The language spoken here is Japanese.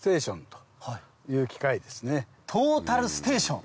トータルステーション？